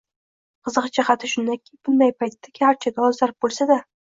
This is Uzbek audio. Qiziq jihati shundaki, bunday paytda, garchi dolzarb bo‘lsada